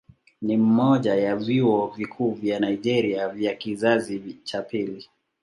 Ni mmoja ya vyuo vikuu vya Nigeria vya kizazi cha pili.